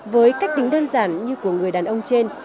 với cách tính đơn giản như của người đàn ông trên